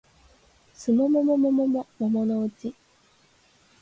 季も桃も桃のうち